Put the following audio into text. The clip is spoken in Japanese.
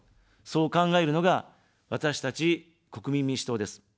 そう考えるのが、私たち国民民主党です。